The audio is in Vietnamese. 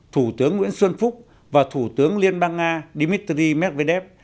thủ tướng nguyễn xuân phúc và thủ tướng liên bang nga dmitry medvedev